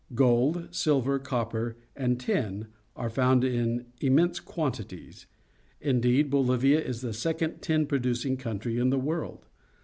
Gold, silver, copper, and tin are found in immense quantities; indeed, Bolivia is the second tin producing country in the world.